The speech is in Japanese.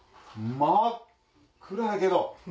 真っ暗やけど。